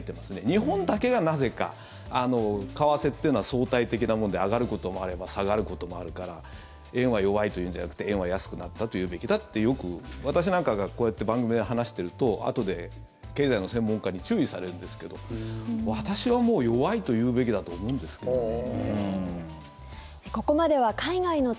日本だけが、なぜか為替というのは相対的なもので上がることもあれば下がることもあるから円は弱いと言うんじゃなくて円は安くなったと言うべきだって私なんかがこうやって番組で話しているとあとで経済の専門家に注意されるんですけど私はもう弱いと言うべきだと思うんですけどね。